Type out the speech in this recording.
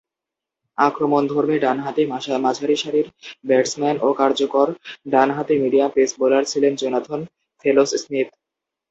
আক্রমণধর্মী ডানহাতি মাঝারিসারির ব্যাটসম্যান ও কার্যকর ডানহাতি মিডিয়াম পেস বোলার ছিলেন জোনাথন ফেলোস-স্মিথ।